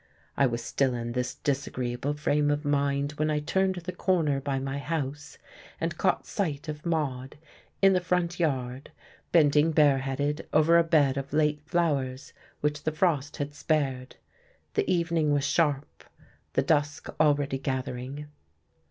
I was still in this disagreeable frame of mind when I turned the corner by my house and caught sight of Maude, in the front yard, bending bareheaded over a bed of late flowers which the frost had spared. The evening was sharp, the dusk already gathering.